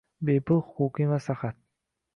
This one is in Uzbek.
Bepul huquqiy maslahat